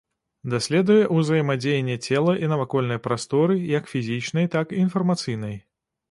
Даследуе ўзаемадзеянне цела і навакольнай прасторы, як фізічнай, так і інфармацыйнай.